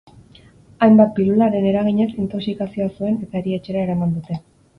Hainbat pilularen eraginez intoxikazioa zuen eta erietxera eraman dute.